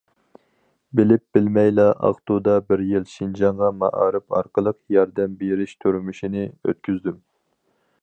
بىلىپ- بىلمەيلا، ئاقتۇدا بىر يىل شىنجاڭغا مائارىپ ئارقىلىق ياردەم بېرىش تۇرمۇشىنى ئۆتكۈزدۈم.